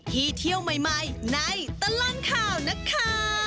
เที่ยวใหม่ในตลอดข่าวนะคะ